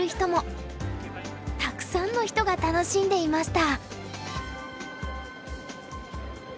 たくさんの人が楽しんでいました。